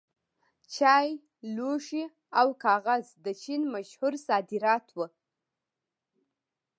چای، لوښي او کاغذ د چین مشهور صادرات وو.